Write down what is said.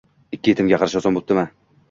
Ikki yetimga qarash oson bo'ptimi?!